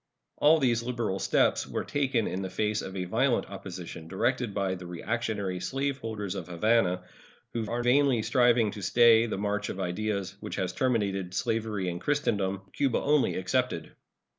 All these liberal steps were taken in the face of a violent opposition directed by the reactionary slave holders of Havana, who are vainly striving to stay the march of ideas which has terminated slavery in Christendom, Cuba only excepted.